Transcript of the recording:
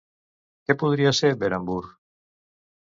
Què podria ser Beranburh?